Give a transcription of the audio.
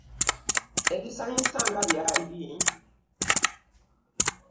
Ebisanyusa nga byali bingi.